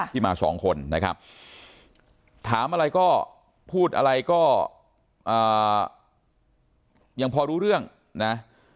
ที่มาสองคนนะครับถามอะไรก็พูดอะไรก็ยังพอรู้เรื่องนะ